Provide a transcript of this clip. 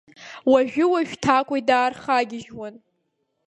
Уажәы-уажәы Ҭакәи даархагьежьуан.